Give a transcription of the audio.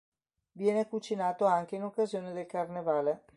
Viene cucinato anche in occasione del carnevale.